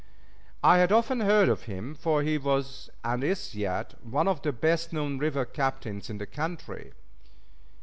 I had often heard of him, for he was, and is yet, one of the best known river captains in the country.